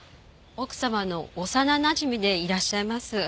奥様の幼なじみでいらっしゃいます。